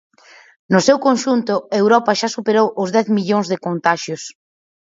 No seu conxunto, Europa xa superou os dez millóns de contaxios.